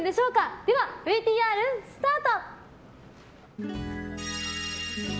では、ＶＴＲスタート！